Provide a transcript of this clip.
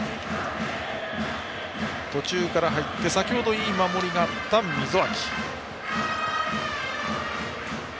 途中から入って、先程いい守りがあった溝脇。